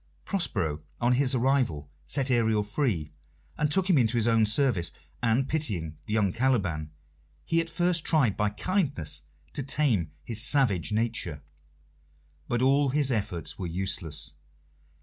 Prospero, on his arrival, set Ariel free, and took him into his own service, and, pitying the young Caliban, he at first tried by kindness to tame his savage nature. But all his efforts were useless.